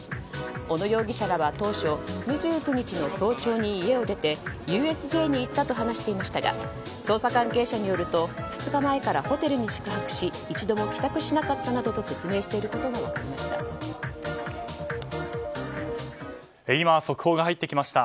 小野容疑者らは当初２９日の早朝に家を出てＵＳＪに行ったと話していましたが捜査関係者によると２日前からホテルに宿泊し一度も帰宅しなかったなどと説明していることが分かりました。